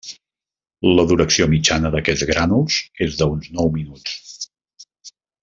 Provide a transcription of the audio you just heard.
La duració mitjana d'aquests grànuls és d'uns nou minuts.